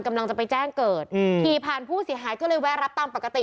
กำลังจะไปแจ้งเกิดขี่ผ่านผู้เสียหายก็เลยแวะรับตามปกติ